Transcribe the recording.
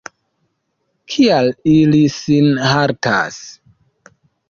Kial ili sin haltas?